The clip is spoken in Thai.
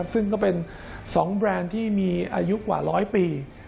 ซึ่งก็เป็น๒แบรนด์ที่มีอายุกว่า๑๐๐ปี